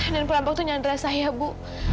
dan pelompok itu nyandra saya bu